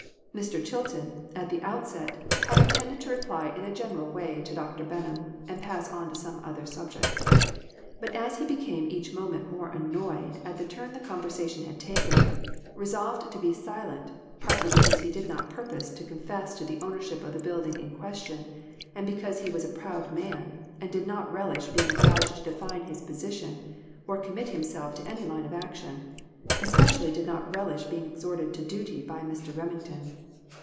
Mr. Chilton, in the outset, had intended to reply in a general way to Dr. Benham, and pass to some other subject. But as he became each moment more annoyed at the turn the conversa tion had taken, resolved to be silent, partly because he did not purpose to confess to the ownership of the building in question and because he was a proud man, and did not relish being obliged to define his position, or commit himself to any line of action especially did not relish being exhorted to duty by Mr. Remington.